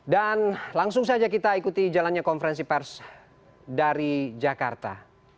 dan langsung saja kita ikuti jalannya konferensi pers dari jakarta